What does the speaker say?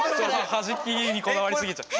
はじきにこだわりすぎちゃった。